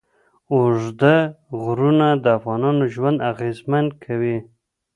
اوږده غرونه د افغانانو ژوند اغېزمن کوي.